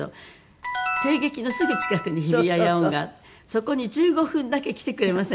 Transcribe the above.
そこに「１５分だけ来てくれませんか？」